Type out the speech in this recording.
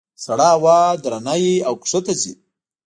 سړه هوا درنه وي او ښکته ځي.